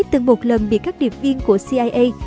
từng một lần bị các điệp viên của cia